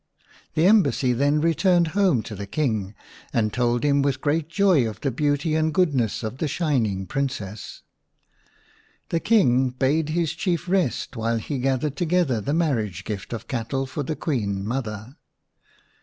/The embassy then returned home to the King, and told him with great joy of the beauty and goodness of the Shining Princess. The King bade his Chief rest while he gathered together t^e marriage gift of cattle for the Queen mother.